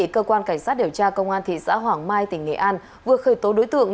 cơ quan cảnh sát điều tra công an thị xã hoàng mai tỉnh nghệ an vừa khởi tố đối tượng